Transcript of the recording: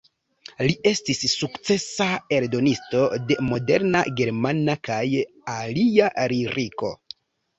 Li estis sukcesa eldonisto de moderna germana kaj alia liriko.